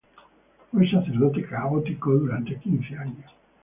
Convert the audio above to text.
Fue sacerdote católico durante quince años.